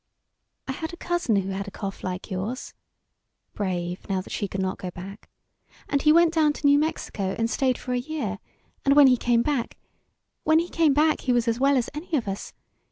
"I had a cousin who had a cough like yours," brave now that she could not go back "and he went down to New Mexico and stayed for a year, and when he came back when he came back he was as well as any of us.